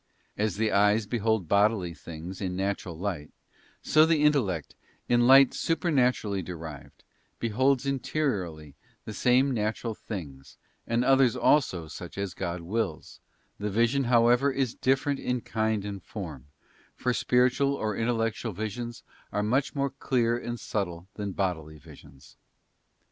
As the eyes behold bodily things in natural light, so the intellect, in light supernaturally de rived, beholds interiorly the same natural things, and others also such as God wills; the vision, however, is different in kind and form, for spiritual or intellectual visions are much more clear and subtle than bodily visions.